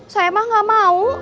saya mah gak mau